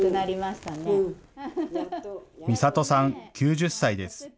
みさとさん、９０歳です。